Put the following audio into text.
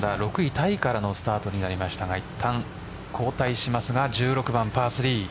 タイからのスタートになりましたがいったん後退しますが１６番、パー３。